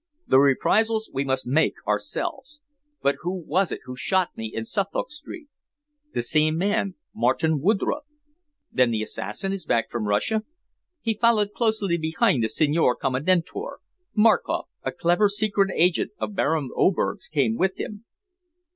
The reprisals we must make ourselves. But who was it who shot me in Suffolk Street?" "The same man, Martin Woodroffe." "Then the assassin is back from Russia?" "He followed closely behind the Signor Commendatore. Markoff, a clever secret agent of Baron Oberg's, came with him."